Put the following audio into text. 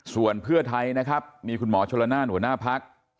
ส่วนเพื่อไทยนะครับมีคุณหมอชนละนานหัวหน้าพัก